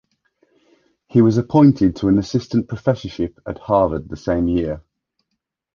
He was appointed to an assistant professorship at Harvard the same year.